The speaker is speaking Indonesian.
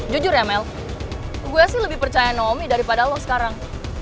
jujur ya mel gue sih lebih percaya nomi daripada lo sekarang